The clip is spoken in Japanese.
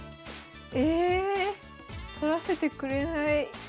え取らせてくれない。